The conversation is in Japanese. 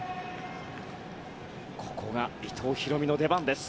ここが伊藤大海の出番です。